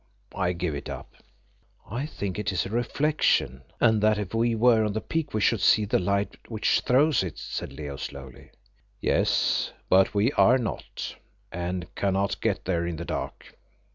I give it up." "I think it is a reflection, and that if we were on the peak we should see the light which throws it," said Leo slowly. "Yes, but we are not, and cannot get there in the dark."